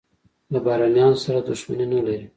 له بهرنیانو سره دښمني نه لري.